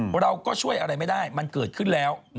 เราก็ช่วยอะไรไม่ได้มันเกิดขึ้นแล้ว